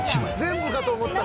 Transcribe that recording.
全部かと思ったら。